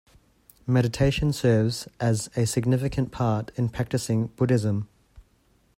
Meditation serves as a significant part in practicing Buddhism.